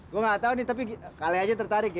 gue nggak tahu nih tapi kalian aja tertarik ya